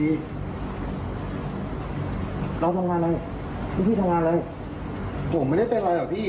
เราทำงานอะไรรุ่นพี่ทำงานอะไรผมไม่ได้เป็นอะไรหรอกพี่